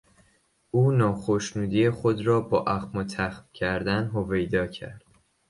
او ناخشنودی خود را با اخم و تخم کردن هویدا کرد.